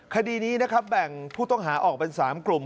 คดีนี้นะครับแบ่งผู้ต้องหาออกเป็น๓กลุ่ม